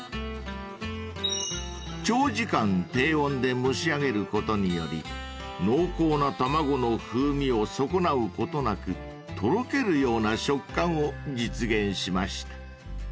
［長時間低温で蒸し上げることにより濃厚な卵の風味を損なうことなくとろけるような食感を実現しました］